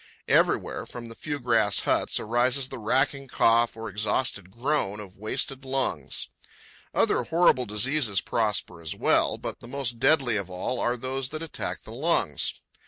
Everywhere, from the few grass huts, arises the racking cough or exhausted groan of wasted lungs. Other horrible diseases prosper as well, but the most deadly of all are those that attack the lungs.